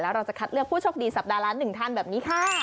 แล้วเราจะคัดเลือกผู้โชคดีสัปดาห์ล้านหนึ่งทันแบบนี้ค่ะ